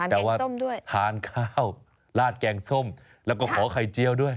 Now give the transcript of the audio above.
แต่ว่าทานข้าวลาดแกงส้มแล้วก็ขอไข่เจียวด้วย